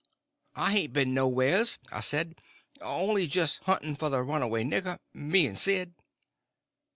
"I hain't been nowheres," I says, "only just hunting for the runaway nigger—me and Sid."